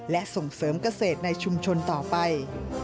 และส่งเสริมเกษตรในชุมชนต่อไป